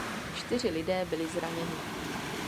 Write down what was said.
Čtyři lidé byli zraněni.